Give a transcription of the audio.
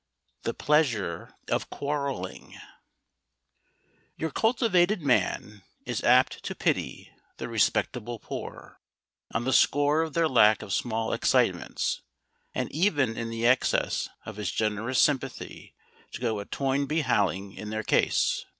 THE PLEASURE OF QUARRELLING Your cultivated man is apt to pity the respectable poor, on the score of their lack of small excitements, and even in the excess of his generous sympathy to go a Toynbee Halling in their cause.